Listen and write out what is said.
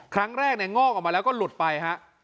ครั้งแรกเนี่ยงอกออกมาแล้วก็หลุดไปฮะ